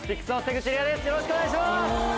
よろしくお願いします！